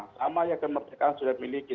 selama yang kemerdekaan sudah dimiliki